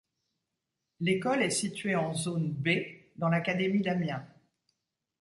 L'école est située en zone B, dans l'académie d'Amiens.